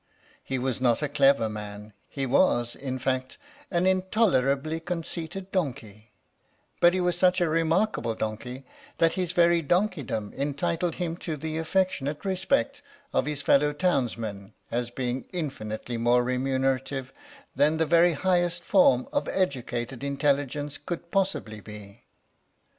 He was not a clever man he was, in fact, an intolerably conceited donkey but he was such a remarkable donkey that his very donkeydom entitled him to the affectionate respect of his fellow townsmen as being infinitely more remunerative than the very highest form of educated intelligence could possibly be.